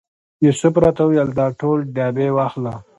یوسف راته وویل دا ټول ډبې واخله.